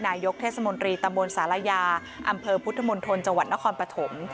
นายกเทศมนตรีตำบลศาลายาอำเภอพุทธมณฑลจังหวัดนครปฐม